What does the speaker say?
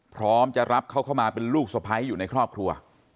พร้อมจะรับเขาเข้ามาเป็นลูกสะพ้ายอยู่ในครอบครัว